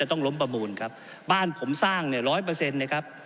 ผมอภิปรายเรื่องการขยายสมภาษณ์รถไฟฟ้าสายสีเขียวนะครับ